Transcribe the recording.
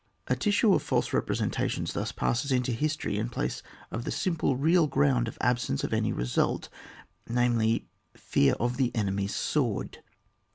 A tissue of false representations thus passes into histoiy in place of the simple real ground of absence of any result, namely /ear of the enemy^a sword.